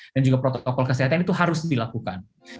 dan juga protokol kesehatan itu harus dilakukan